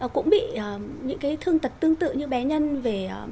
cũng bị những cái thương tật tương tự như bé nhân về